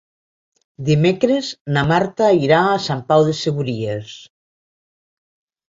Dimecres na Marta irà a Sant Pau de Segúries.